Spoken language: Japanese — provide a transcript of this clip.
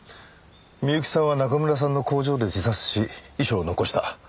美由紀さんは中村さんの工場で自殺し遺書を残した。